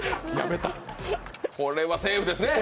これはセーフですね。